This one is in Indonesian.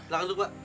silahkan duduk pak